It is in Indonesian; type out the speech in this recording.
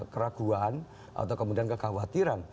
keraguan atau kemudian kekhawatiran